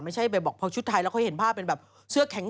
ไม่ใช่เผื่อบอกคือชุดไทยแล้วคือเคยเห็นผ้าแข็ง